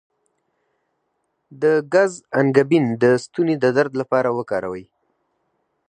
د ګز انګبین د ستوني د درد لپاره وکاروئ